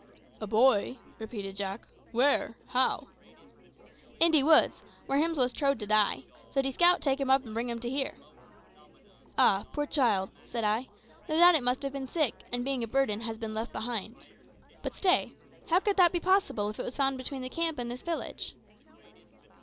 "A boy!" repeated Jack; "where how?" "In de woods, where hims was trow'd to die; so de scout take him up and bring him to here." "Ah, poor child!" said I; "no doubt it must have been sick, and being a burden, has been left behind. But stay. How could that be possible if it was found between the camp and this village?"